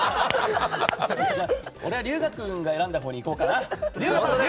俺は瑠雅君が選んだほうに行こうかな。